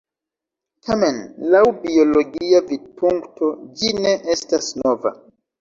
Tamen, laŭ biologia vidpunkto, ĝi ne estas nova.